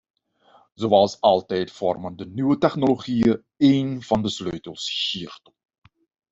Zoals altijd vormen de nieuwe technologieën een van de sleutels hiertoe.